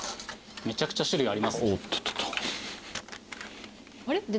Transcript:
めちゃくちゃ種類ありますね。